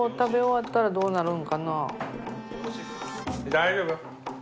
大丈夫？